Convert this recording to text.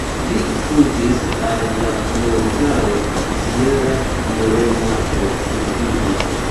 Li fuĝis al la montaro Sierra Morena por survivi.